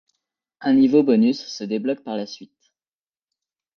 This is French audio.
Un niveau bonus se débloque par la suite.